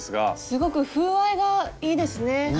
すごく風合いがいいですね。